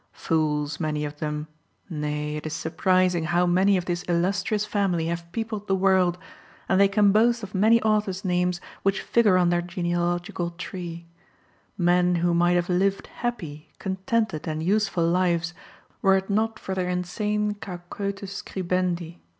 _ _Fools many of them nay, it is surprising how many of this illustrious family have peopled the world, and they can boast of many authors' names which figure on their genealogical tree men who might have lived happy, contented, and useful lives were it not for their insane cacoethes scribendi.